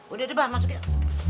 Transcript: udah udah bahan masuk yuk